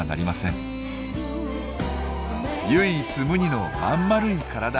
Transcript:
唯一無二のまんまるい体。